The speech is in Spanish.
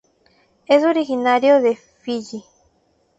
Es originario de Fiyi.